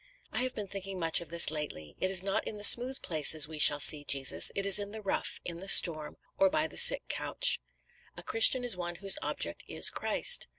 I have been thinking much of this lately. It is not in the smooth places we shall see Jesus, it is in the rough, in the storm, or by the sick couch." "A Christian is one whose object is Christ."